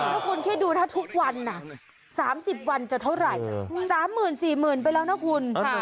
แล้วคุณคิดดูถ้าทุกวัน๓๐วันจะเท่าไหร่๓๔๐๐๐ไปแล้วนะคุณ